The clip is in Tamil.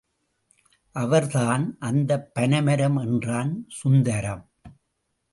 அவர் தான், அந்தப் பனைமரம் என்றான் சுந்தரம்.